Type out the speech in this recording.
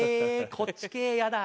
こっち系イヤだ。